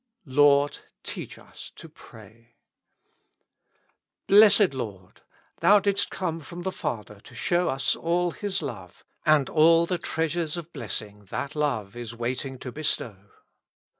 " Lord, teach us to pray." Blessed Lord ! Thou didst come from the Father to show us all His Love, and all the treasures of blessing that Love is waiting to bestow.